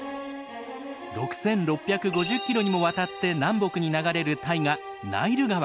６，６５０キロにもわたって南北に流れる大河ナイル川。